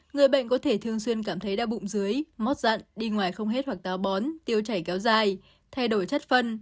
người bệnh có thể thường xuyên cảm thấy đau bụng dưới mót dặn đi ngoài không hết hoặc táo bón tiêu chảy kéo dài thay đổi chất phân